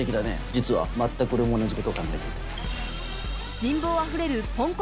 実は全く俺も同じことを考えてた。